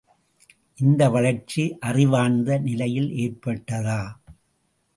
இந்த வளர்ச்சி அறிவார்ந்த நிலையில் ஏற்பட்டதா?